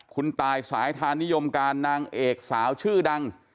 คุณตายสายทานิยมการนางเอกสาวชื่อดัง